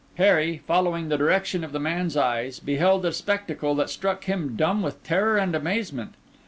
Harry, following the direction of the man's eyes, beheld a spectacle that struck him dumb with terror and amazement.